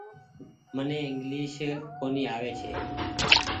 مني انگليش ڪونيٚ آوي ڇي۔